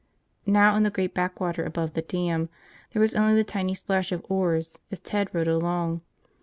Now in the great backwater above the dam there was only the tiny splash of oars as Ted rowed along.